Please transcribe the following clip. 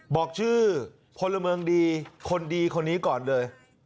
บอกชื่อพลเมืองดีคนดีคนนี้ก่อนเลย